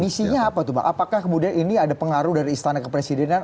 misinya apa tuh bang apakah kemudian ini ada pengaruh dari istana kepresidenan